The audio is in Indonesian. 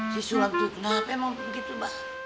si sulam tuh kenapa emang begitu mak